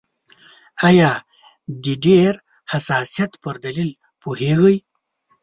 آیا د ډېر حساسیت پر دلیل پوهیږئ؟